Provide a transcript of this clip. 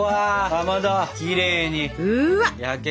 かまどきれいに焼けてます！